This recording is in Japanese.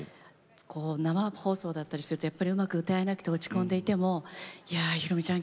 生放送だったりするとうまく歌えなくて落ち込んでいても「いやあ宏美ちゃん